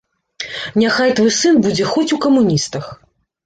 Няхай твой сын будзе хоць у камуністах.